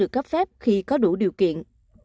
cấp phép khi có đủ điều kiện